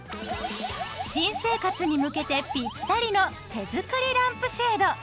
新生活に向けてピッタリの手作りランプシェード。